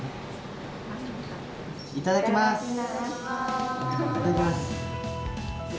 いただきます。